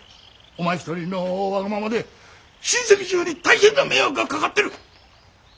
お前一人のわがままで親戚中に大変な迷惑がかかってる！